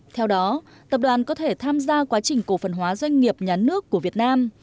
theo đó tập đoàn có thể tham gia quá trình cổ phần hóa doanh nghiệp nhà nước của việt nam